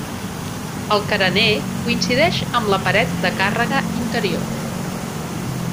El carener coincideix amb la paret de càrrega interior.